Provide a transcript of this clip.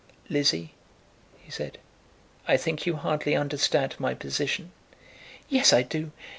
"Lizzie," he said, "I think you hardly understand my position." "Yes, I do.